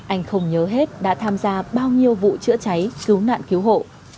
anh không nhớ hết đã tham gia bao nhiêu vụ chữa cháy cứu nạn cứu hộ